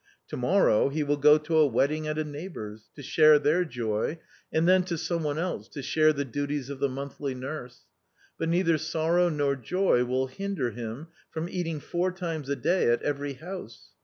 To morrow he will go to a wedding at a neighbour's — to share their joy, and then to some one else — to share the duties of the monthly nurse. But neither sorrow nor joy will hinder him from eating four times a day at every house.